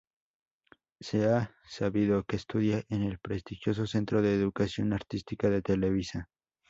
Se ha sabido que estudia en el prestigioso Centro de Educación Artística de Televisa.